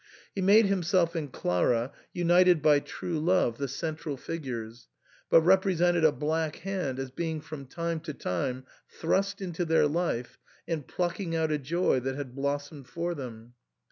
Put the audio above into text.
He made himself and Clara, united by true love, the central figures, but represented a black hand as being from time to time thrust into their life and plucking out a joy that had blossomed for them.